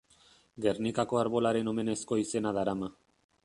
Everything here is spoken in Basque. Gernikako Arbolaren omenezko izena darama.